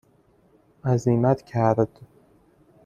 عزیمت کرد